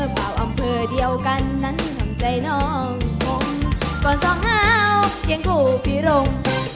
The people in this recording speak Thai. เป่าอำเภอเดียวกันนั้นทำใจน้องมควรส่องเหงาเคียงกู่พี่รง